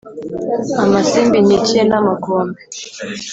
Amasimbi nkikiye n’amakombe